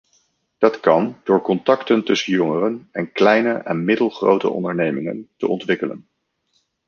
Dat kan door contacten tussen jongeren en kleine en middelgrote ondernemingen te ontwikkelen.